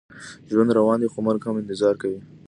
ژوند روان دی، خو مرګ هم انتظار کوي.